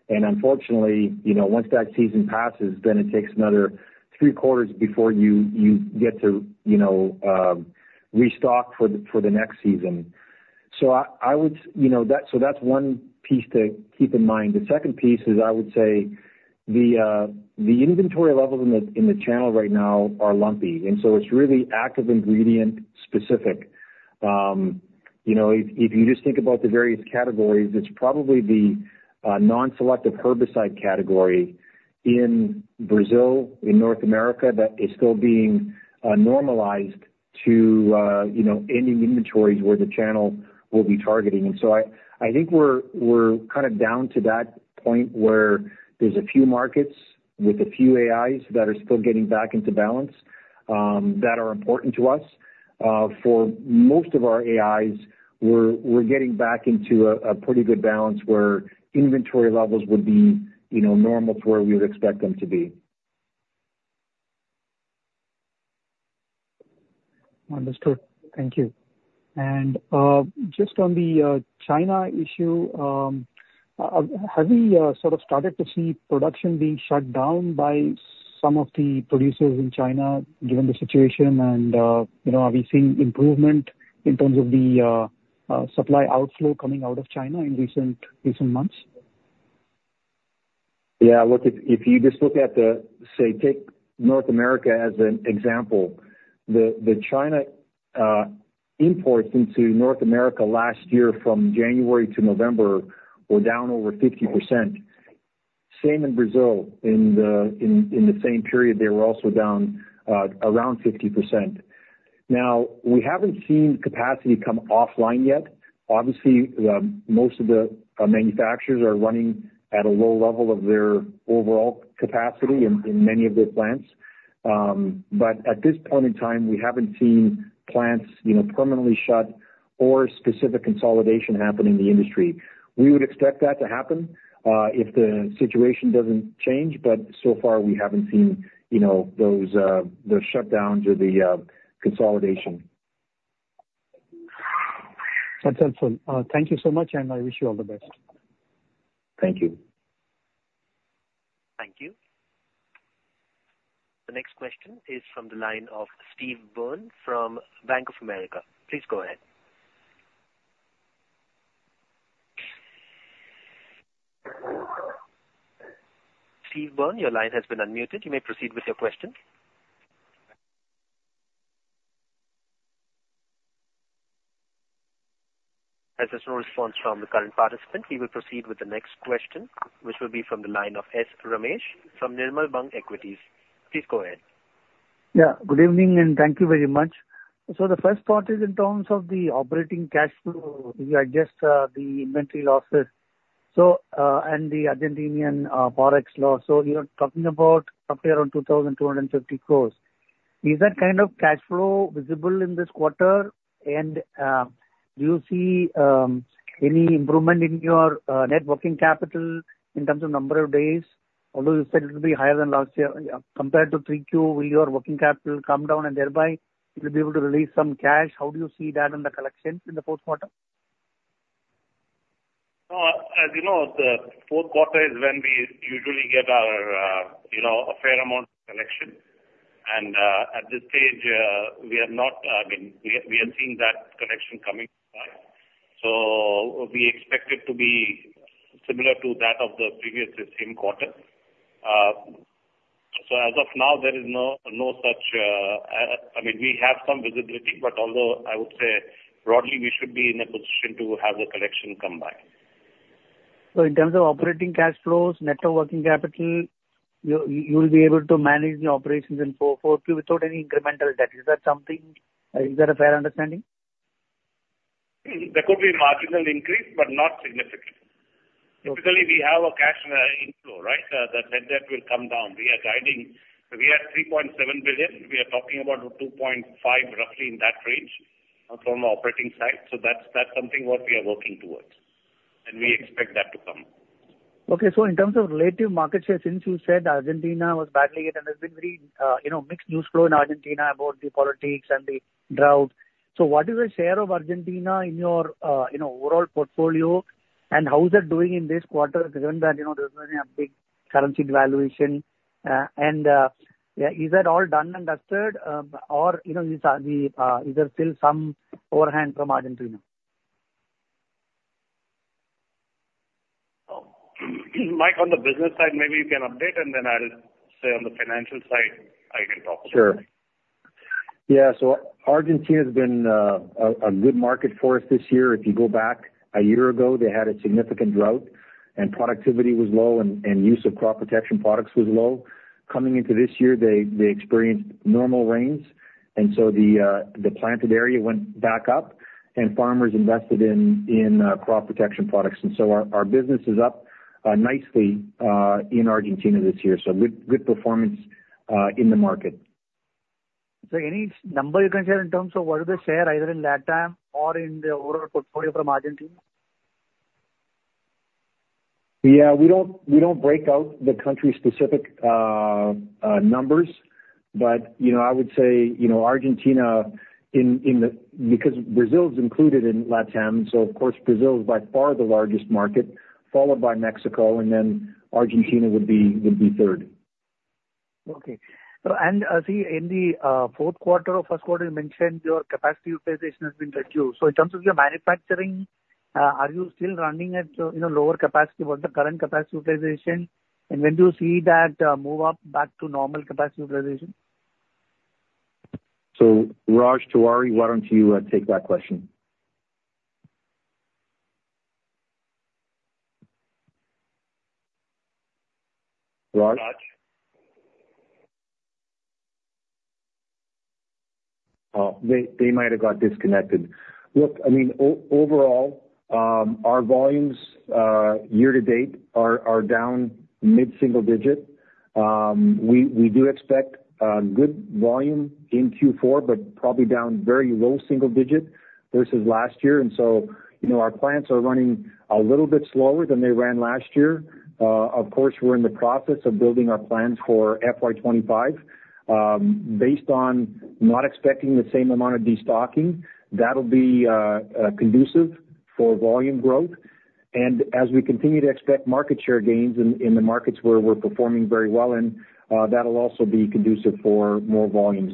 And unfortunately, you know, once that season passes, then it takes another three quarters before you get to, you know, restock for the next season. So I would... You know, so that's one piece to keep in mind. The second piece is, I would say, the inventory levels in the channel right now are lumpy, and so it's really active ingredient specific. You know, if you just think about the various categories, it's probably the non-selective herbicide category in Brazil, in North America, that is still being normalized to, you know, ending inventories where the channel will be targeting. And so I think we're kind of down to that point where there's a few markets with a few AIs that are still getting back into balance... that are important to us. For most of our AIs, we're getting back into a pretty good balance where inventory levels would be, you know, normal to where we would expect them to be. Understood. Thank you. And just on the China issue, have we sort of started to see production being shut down by some of the producers in China given the situation? And you know, are we seeing improvement in terms of the supply outflow coming out of China in recent months? Yeah, look, if, if you just look at the, say, take North America as an example, the China imports into North America last year from January to November were down over 50%. Same in Brazil, in the same period, they were also down around 50%. Now, we haven't seen capacity come offline yet. Obviously, most of the manufacturers are running at a low level of their overall capacity in many of their plants. But at this point in time, we haven't seen plants, you know, permanently shut or specific consolidation happen in the industry. We would expect that to happen if the situation doesn't change, but so far, we haven't seen, you know, those the shutdowns or the consolidation. That's helpful. Thank you so much, and I wish you all the best. Thank you. Thank you. The next question is from the line of Steve Byrne from Bank of America. Please go ahead. Steve Byrne, your line has been unmuted. You may proceed with your question. As there's no response from the current participant, we will proceed with the next question, which will be from the line of S. Ramesh from Nirmal Bang Equities. Please go ahead. Yeah, good evening, and thank you very much. So the first part is in terms of the operating cash flow, if you adjust, the inventory losses, so, and the Argentine, FX loss. So you're talking about somewhere around 2,250 crores. Is that kind of cash flow visible in this quarter? And, do you see, any improvement in your, net working capital in terms of number of days? Although you said it will be higher than last year, compared to 3Q, will your working capital come down and thereby you'll be able to release some cash? How do you see that in the collection in the fourth quarter? As you know, the fourth quarter is when we usually get our, you know, a fair amount of collection. And at this stage, we have not, I mean, we have seen that collection coming by. So we expect it to be similar to that of the previous same quarter. So as of now, there is no such, I mean, we have some visibility, but although I would say broadly, we should be in a position to have the collection come by. So in terms of operating cash flows, net working capital, you, you will be able to manage the operations in fourth Q without any incremental debt. Is that something, is that a fair understanding? There could be a marginal increase, but not significant. Okay. Typically, we have a cash inflow, right? That debt will come down. We are guiding... We are $3.7 billion. We are talking about $2.5 billion, roughly in that range, from an operating side. So that's something what we are working towards, and we expect that to come. Okay. So in terms of relative market share, since you said Argentina was badly hit, and there's been very, you know, mixed news flow in Argentina about the politics and the drought. So what is the share of Argentina in your, in overall portfolio, and how is that doing in this quarter, given that, you know, there's been a big currency devaluation? And, yeah, is that all done and dusted, or, you know, is, the, is there still some overhang from Argentina? Mike, on the business side, maybe you can update, and then I'll say on the financial side, I can talk about. Sure. Yeah, so Argentina has been a good market for us this year. If you go back a year ago, they had a significant drought, and productivity was low, and use of crop protection products was low. Coming into this year, they experienced normal rains, and so the planted area went back up, and farmers invested in crop protection products. And so our business is up nicely in Argentina this year. So good performance in the market. Any number you can share in terms of what is the share, either in LatAm or in the overall portfolio from Argentina? Yeah, we don't break out the country-specific numbers, but you know, I would say, you know, Argentina in the... Because Brazil is included in Latam, so of course, Brazil is by far the largest market, followed by Mexico, and then Argentina would be third. Okay. So, in the fourth quarter or first quarter, you mentioned your capacity utilization has been reduced. So in terms of your manufacturing, are you still running at, you know, lower capacity? What's the current capacity utilization, and when do you see that move up back to normal capacity utilization? So Raj Tiwari, why don't you take that question? Raj?... They might have got disconnected. Look, I mean, overall, our volumes year to date are down mid-single digit. We do expect good volume in Q4, but probably down very low single digit versus last year. And so, you know, our plants are running a little bit slower than they ran last year. Of course, we're in the process of building our plans for FY 25. Based on not expecting the same amount of destocking, that'll be conducive for volume growth. And as we continue to expect market share gains in the markets where we're performing very well in, that'll also be conducive for more volumes.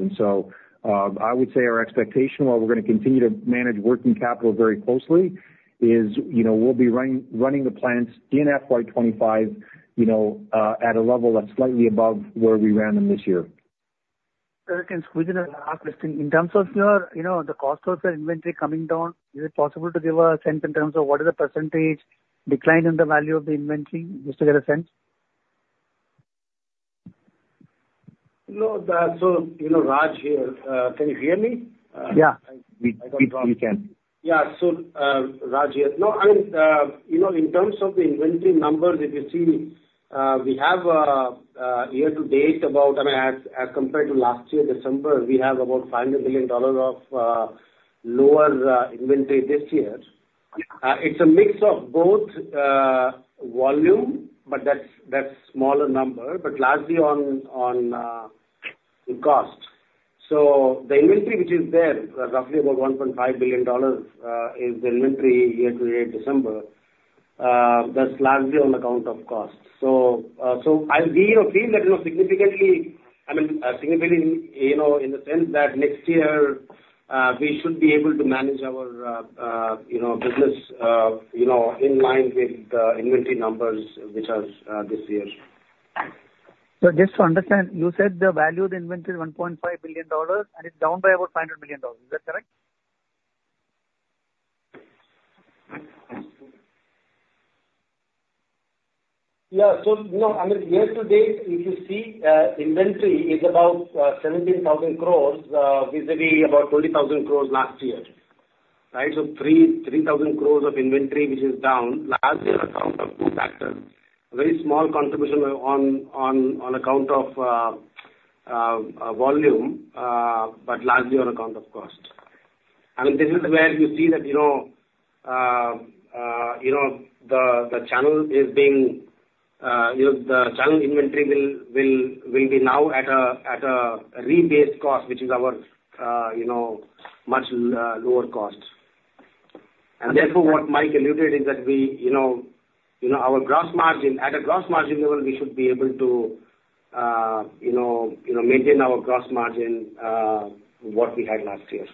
I would say our expectation, while we're gonna continue to manage working capital very closely, is, you know, we'll be running, running the plants in FY 2025, you know, at a level that's slightly above where we ran them this year. Sir, can I squeeze in a last question? In terms of your, you know, the cost of the inventory coming down, is it possible to give a sense in terms of what is the percentage decline in the value of the inventory, just to get a sense? No, so, you know, Raj here. Can you hear me? Yeah, we can. Yeah. So, Raj here. No, I mean, you know, in terms of the inventory numbers, if you see, we have year to date about, I mean, as compared to last year, December, we have about $500 million of lower inventory this year. It's a mix of both volume, but that's smaller number, but largely on the cost. So the inventory, which is there, roughly about $1.5 billion, is the inventory year to date, December, that's largely on account of cost. So, so I, we feel that, you know, significantly, I mean, significantly, you know, in the sense that next year, we should be able to manage our business in line with the inventory numbers, which are this year's. Just to understand, you said the value of the inventory is $1.5 billion, and it's down by about $500 million. Is that correct? Yeah. So, you know, I mean, year to date, if you see, inventory is about 17,000 crore, visibly about 20,000 crore last year, right? So 3,000 crore of inventory, which is down largely on account of two factors, a very small contribution on account of volume, but largely on account of cost. I mean, this is where you see that, you know, the channel is being, you know, the channel inventory will be now at a rebased cost, which is our, you know, much lower cost. Therefore, what Mike alluded is that we, you know, you know, our gross margin, at a gross margin level, we should be able to, you know, you know, maintain our gross margin, what we had last year.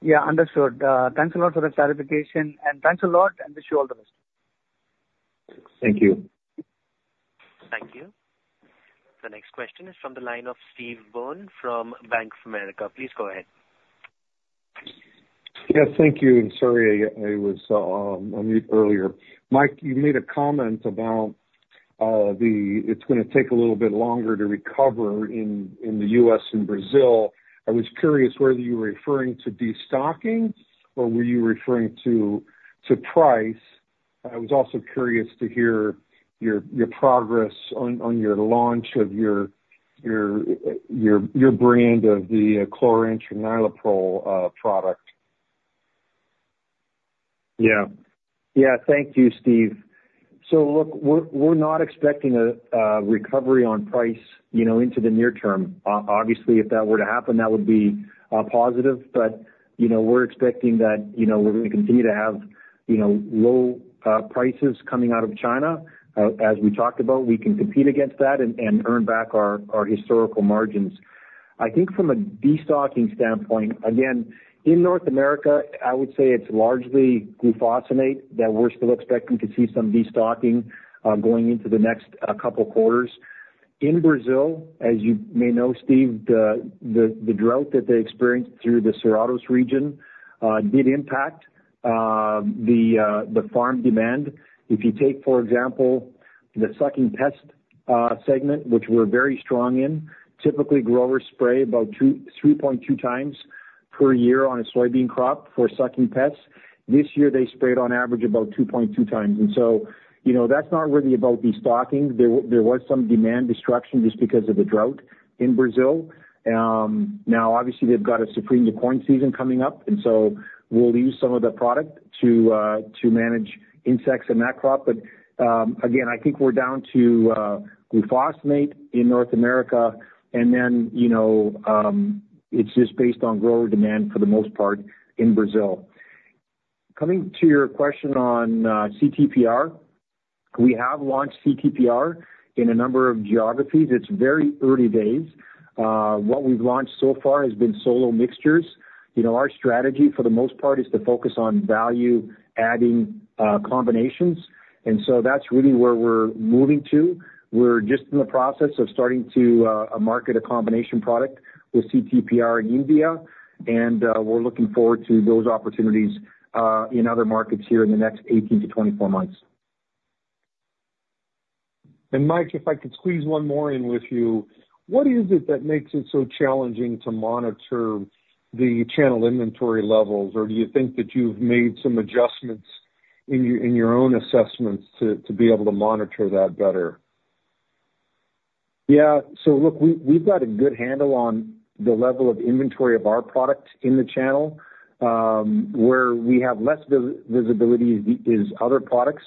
Yeah, understood. Thanks a lot for the clarification, and thanks a lot, and wish you all the best. Thank you. Thank you. The next question is from the line of Steve Byrne from Bank of America. Please go ahead. Yes, thank you. Sorry, I was on mute earlier. Mike, you made a comment about the it's gonna take a little bit longer to recover in the U.S. and Brazil. I was curious whether you were referring to destocking, or were you referring to price? I was also curious to hear your progress on your launch of your brand of the chlorantraniliprole product. Yeah. Yeah, thank you, Steve. So look, we're not expecting a recovery on price, you know, into the near term. Obviously, if that were to happen, that would be positive. But, you know, we're expecting that, you know, we're gonna continue to have, you know, low prices coming out of China. As we talked about, we can compete against that and earn back our historical margins. I think from a destocking standpoint, again, in North America, I would say it's largely glufosinate that we're still expecting to see some destocking going into the next couple quarters. In Brazil, as you may know, Steve, the drought that they experienced through the safrinha region did impact the farm demand. If you take, for example, the sucking pest segment, which we're very strong in, typically growers spray about 2-3.2 times per year on a soybean crop for sucking pests. This year, they sprayed on average about 2.2 times, and so you know, that's not really about destocking. There was some demand destruction just because of the drought in Brazil. Now, obviously, they've got a safrinha corn season coming up, and so we'll use some of the product to to manage insects in that crop. But, again, I think we're down to glufosinate in North America, and then, you know, it's just based on grower demand for the most part in Brazil. Coming to your question on CTPR, we have launched CTPR in a number of geographies. It's very early days. What we've launched so far has been solo mixtures. You know, our strategy for the most part is to focus on value-adding combinations, and so that's really where we're moving to. We're just in the process of starting to market a combination product with CTPR and Euvia, and we're looking forward to those opportunities in other markets here in the next 18-24 months.... Mike, if I could squeeze one more in with you, what is it that makes it so challenging to monitor the channel inventory levels? Or do you think that you've made some adjustments in your own assessments to be able to monitor that better? Yeah. So look, we've got a good handle on the level of inventory of our product in the channel. Where we have less visibility is other products.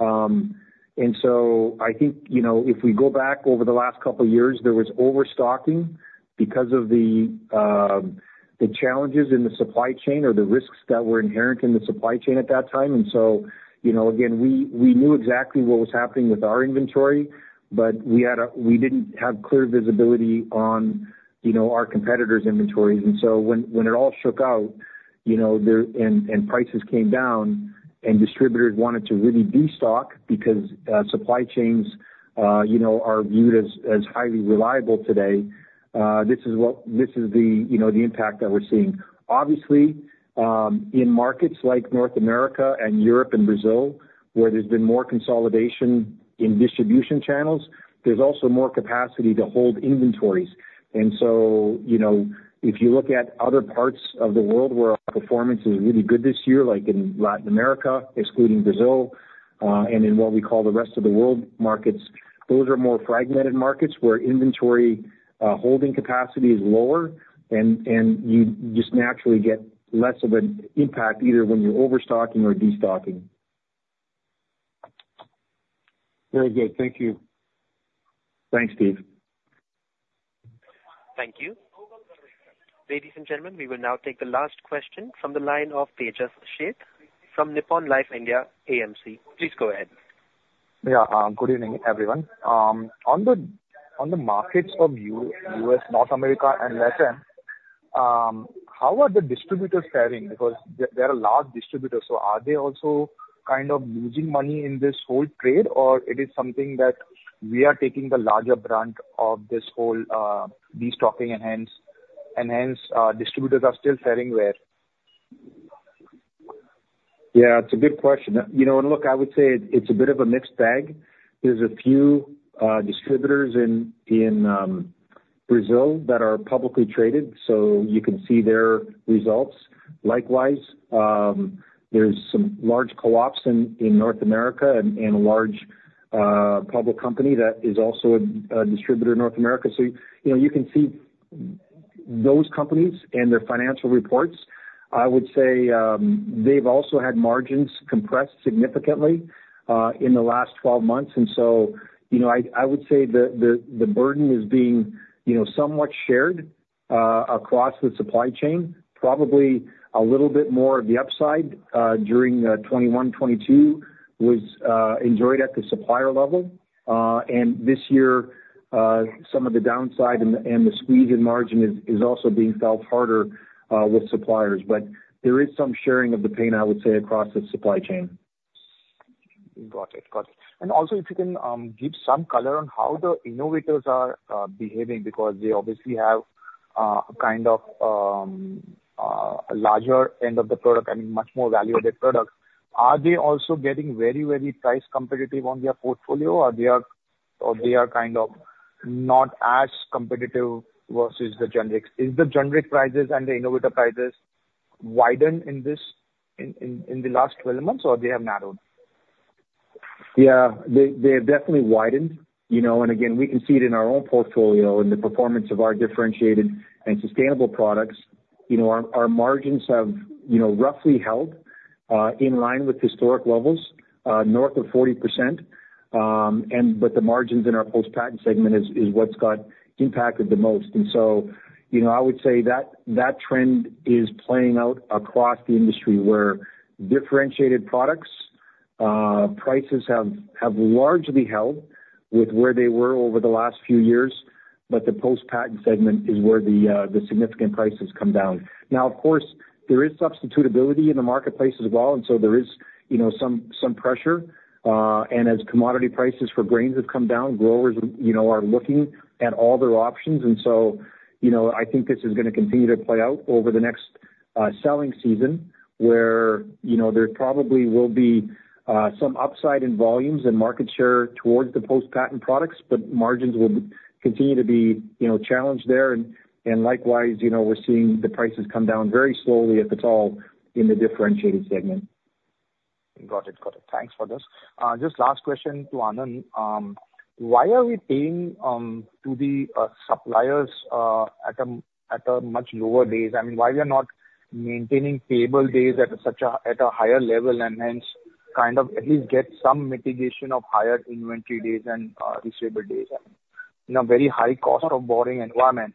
And so I think, you know, if we go back over the last couple years, there was overstocking because of the challenges in the supply chain or the risks that were inherent in the supply chain at that time. And so, you know, again, we knew exactly what was happening with our inventory, but we didn't have clear visibility on, you know, our competitors' inventories. And so when it all shook out, you know, there... Prices came down, and distributors wanted to really destock because supply chains, you know, are viewed as highly reliable today. This is the, you know, the impact that we're seeing. Obviously, in markets like North America and Europe and Brazil, where there's been more consolidation in distribution channels, there's also more capacity to hold inventories. And so, you know, if you look at other parts of the world where our performance is really good this year, like in Latin America, excluding Brazil, and in what we call the rest of the world markets, those are more fragmented markets, where inventory holding capacity is lower and you just naturally get less of an impact, either when you're overstocking or destocking. Very good. Thank you. Thanks, Steve. Thank you. Ladies and gentlemen, we will now take the last question from the line of Tejas Sheth from Nippon Life India AMC. Please go ahead. Yeah. Good evening, everyone. On the markets from the U.S., North America, and Latin America, how are the distributors faring? Because they're a large distributor, so are they also kind of losing money in this whole trade, or it is something that we are taking the larger brunt of this whole destocking, and hence distributors are still faring well? Yeah, it's a good question. You know, and look, I would say it's a bit of a mixed bag. There's a few distributors in Brazil that are publicly traded, so you can see their results. Likewise, there's some large co-ops in North America and a large public company that is also a distributor in North America. So, you know, you can see those companies and their financial reports. I would say, they've also had margins compressed significantly in the last 12 months. And so, you know, I would say the burden is being somewhat shared across the supply chain. Probably a little bit more of the upside during 2021, 2022 was enjoyed at the supplier level. And this year, some of the downside and the squeeze in margin is also being felt harder with suppliers. But there is some sharing of the pain, I would say, across the supply chain. Got it. Got it. And also, if you can, give some color on how the innovators are behaving, because they obviously have kind of a larger end of the product, I mean, much more value-added product. Are they also getting very, very price competitive on their portfolio, or they are, or they are kind of not as competitive versus the generics? Is the generic prices and the innovator prices widened in this, in the last 12 months, or they have narrowed? Yeah. They have definitely widened. You know, and again, we can see it in our own portfolio, in the performance of our differentiated and sustainable products. You know, our margins have, you know, roughly held in line with historic levels north of 40%. And but the margins in our post-patent segment is what's got impacted the most. And so, you know, I would say that that trend is playing out across the industry, where differentiated products prices have largely held with where they were over the last few years, but the post-patent segment is where the significant prices come down. Now, of course, there is substitutability in the marketplace as well, and so there is, you know, some pressure. And as commodity prices for grains have come down, growers, you know, are looking at all their options. And so, you know, I think this is gonna continue to play out over the next, selling season, where, you know, there probably will be, some upside in volumes and market share towards the post-patent products, but margins will continue to be, you know, challenged there. And, and likewise, you know, we're seeing the prices come down very slowly, if at all, in the differentiated segment. Got it. Got it. Thanks for this. Just last question to Anand. Why are we paying to the suppliers at a much lower days? I mean, why we are not maintaining payable days at such a higher level, and hence, kind of at least get some mitigation of higher inventory days and receivable days? In a very high cost of borrowing environment,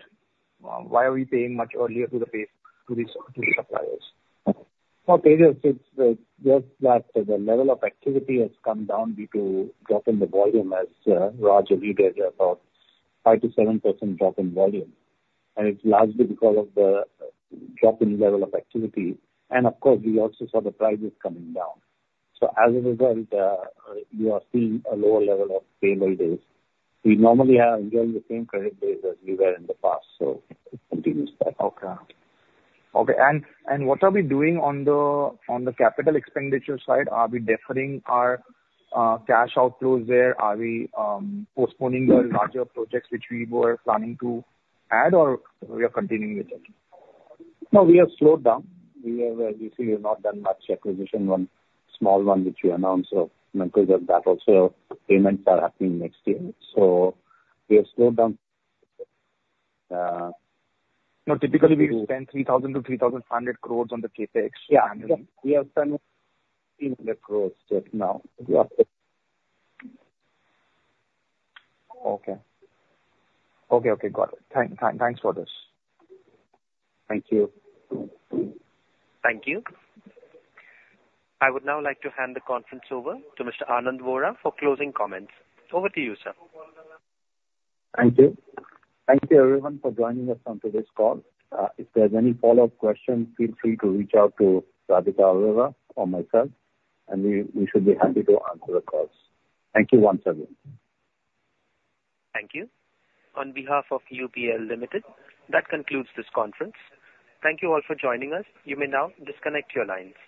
why are we paying much earlier to the suppliers? Well, Tejas, it's just that the level of activity has come down due to drop in the volume, as Raj alluded, about 5%-7% drop in volume, and it's largely because of the drop in level of activity. And of course, we also saw the prices coming down. So as a result, you are seeing a lower level of payable days. We normally have nearly the same credit days as we were in the past, so it continues that. Okay. Okay, and what are we doing on the capital expenditure side? Are we deferring our cash outflows there? Are we postponing the larger projects which we were planning to add, or are we continuing with it? No, we have slowed down. We have, you see, we've not done much acquisition on small one, which we announced. So because of that also, payments are happening next year, so we have slowed down. No, typically, we spend 3,000-3,500 crore on the CapEx annually. Yeah, we have done 300 crore till now. Yeah. Okay. Got it. Thanks for this. Thank you. Thank you. I would now like to hand the conference over to Mr. Anand Vora for closing comments. Over to you, sir. Thank you. Thank you everyone for joining us on today's call. If there's any follow-up questions, feel free to reach out to Radhika Arora or myself, and we should be happy to answer the calls. Thank you once again. Thank you. On behalf of UPL Limited, that concludes this conference. Thank you all for joining us. You may now disconnect your lines.